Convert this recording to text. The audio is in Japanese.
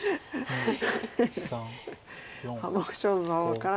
はい。